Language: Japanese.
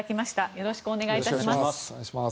よろしくお願いします。